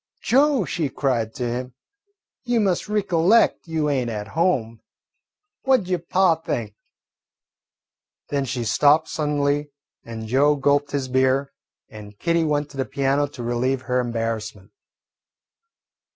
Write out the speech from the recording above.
"Joe," she cried to him, "you must ricollect you ain't at home. What 'ud yo' pa think?" Then she stopped suddenly, and Joe gulped his beer and Kitty went to the piano to relieve her embarrassment.